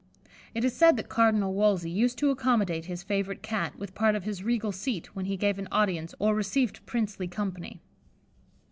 It is said that Cardinal Wolsey used to accommodate his favourite Cat with part of his regal seat when he gave an audience or received princely company.